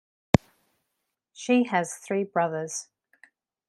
She has three brothers.